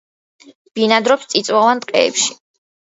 ბინადრობს წიწვოვან ტყეებში.